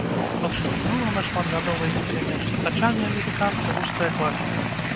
Падштурхнула на шматгадовы эксперымент з чытачамі амерыканца руская класіка.